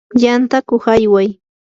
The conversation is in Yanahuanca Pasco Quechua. yantakuq ayway.